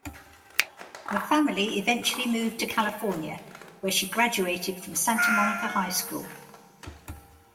Her family eventually moved to California, where she graduated from Santa Monica High School.